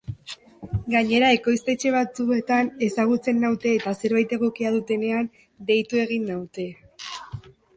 Gainera, ekoiztetxe batzuetan ezagutzen naute eta zerbait egokia dutenean deitu egiten naute.